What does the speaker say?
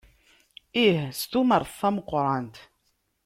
Ih, s tumert tameqqrant.